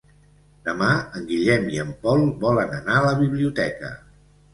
Demà en Guillem i en Pol volen anar a la biblioteca.